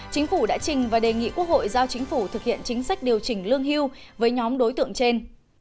chính phủ đã trình và đề nghị quốc hội giao chính phủ thực hiện chính sách điều chỉnh lương hưu với nhóm đối tượng trên